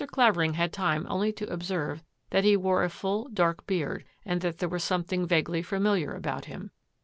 Clavering had time only to observe that he wore a full, dark beard, and that there was some thing vaguely familiar about him.